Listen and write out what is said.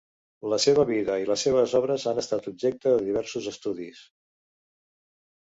La seva vida i les seves obres han estat objecte de diversos estudis.